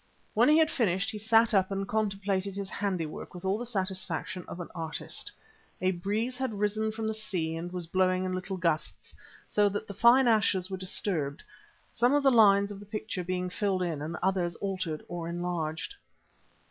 When he had finished he sat up and contemplated his handiwork with all the satisfaction of an artist. A breeze had risen from the sea and was blowing in little gusts, so that the fine ashes were disturbed, some of the lines of the picture being filled in and others altered or enlarged.